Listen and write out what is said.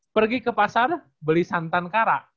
pergi ke pasar beli santan kara